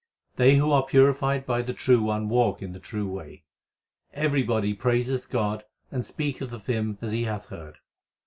They who are purified by the True One walk in the true way. Everybody praiseth God and speaketh of Him as he hath heard.